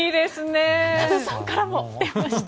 中野さんからも来ました。